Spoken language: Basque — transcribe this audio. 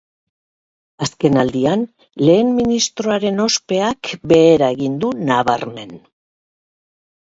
Azken aldian, lehen ministroaren ospeak behera egin du, nabarmen.